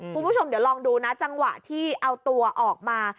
คุณผู้ชมเดี๋ยวลองดูนะจังหวะที่เอาตัวออกมา